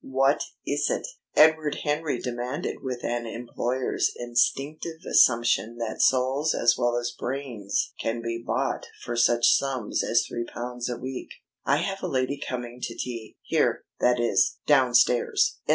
What is it?" Edward Henry demanded with an employer's instinctive assumption that souls as well as brains can be bought for such sums as three pounds a week. "I have a lady coming to tea, here; that is, downstairs."